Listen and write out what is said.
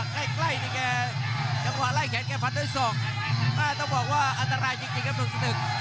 ต้องบอกว่าอันตรายจริงครับนุ่มสตึก